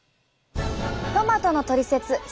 トマトのトリセツ